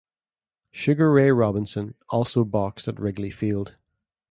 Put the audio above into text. Sugar Ray Robinson also boxed at Wrigley Field.